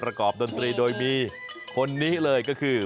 ประกอบดนตรีโดยมีคนนี้เลยก็คือ